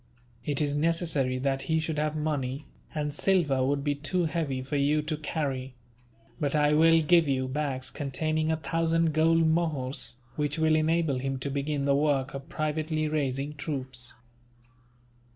It is necessary that he should have money, and silver would be too heavy for you to carry; but I will give you bags containing a thousand gold mohurs, which will enable him to begin the work of privately raising troops."